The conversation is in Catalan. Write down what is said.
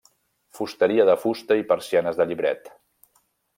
Fusteria de fusta i persianes de llibret.